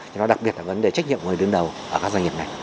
cho nó đặc biệt là vấn đề trách nhiệm của người đứng đầu ở các doanh nghiệp này